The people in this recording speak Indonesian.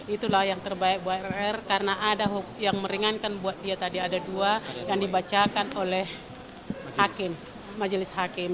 itulah yang terbaik buat rr karena ada yang meringankan buat dia tadi ada dua dan dibacakan oleh majelis hakim